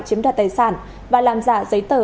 chiếm đoạt tài sản và làm giả giấy tờ